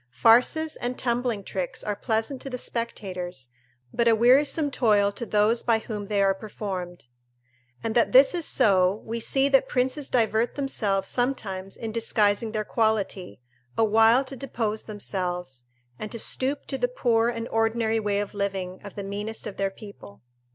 Farces and tumbling tricks are pleasant to the spectators, but a wearisome toil to those by whom they are performed. And that this is so, we see that princes divert themselves sometimes in disguising their quality, awhile to depose themselves, and to stoop to the poor and ordinary way of living of the meanest of their people.